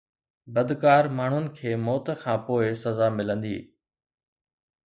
بدڪار ماڻهن کي موت کان پوءِ سزا ملندي